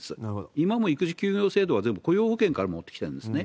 今の育児休業制度は全部雇用保険から持ってきてるんですね。